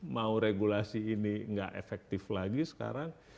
mau regulasi ini nggak efektif lagi sekarang